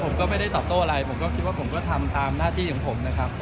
ผมก็ไม่ได้ตอบโต้อะไรผมก็คิดว่าผมก็ทำตามหน้าที่ของผมนะครับ